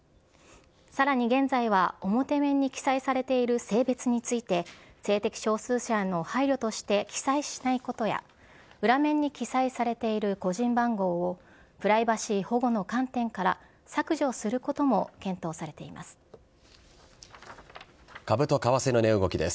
さらに現在は表面に記載されている性別について性的少数者への配慮として記載しないことや裏面に記載されている個人番号をプライバシー保護の観点から削除することも検討されています。